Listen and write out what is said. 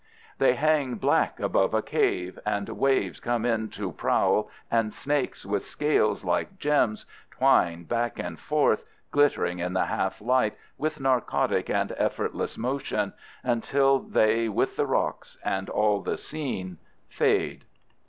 They hang black above a cave, and waves come in to prowl and snakes with scales like gems twine back and forth, glittering in the half light, with narcotic and effortless motion, until they with the rocks and all the scene fade.